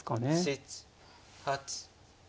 ７８。